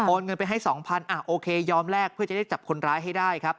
เงินไปให้สองพันอ่ะโอเคยอมแลกเพื่อจะได้จับคนร้ายให้ได้ครับ